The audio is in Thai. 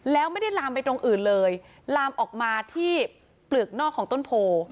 แล้วไม่ได้ลามไปตรงอื่นเลยลามออกมาที่เปลือกนอกของต้นโพ